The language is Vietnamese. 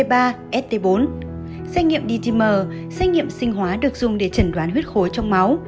xét nghiệm dtm xét nghiệm sinh hóa được dùng để trần đoán huyết khối trong máu